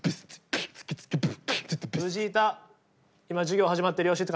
今授業始まってるよ。